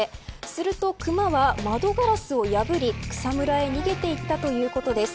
するとクマは窓ガラスを破り草むらへ逃げていったということです。